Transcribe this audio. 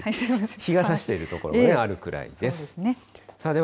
日がさしている所もあるくらいです。